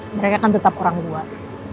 mereka kan tetap orang luar